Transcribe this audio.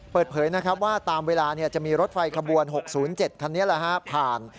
เปิดเผยนะครับว่าตามเวลาจะมีรถไฟขบวน๖๐๗คันนี้ผ่าน